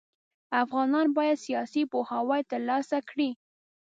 افغانان بايد سياسي پوهاوی ترلاسه کړي.